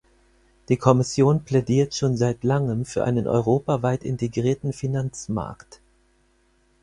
Die Kommission plädiert schon seit langem für einen europaweit integrierten Finanzmarkt.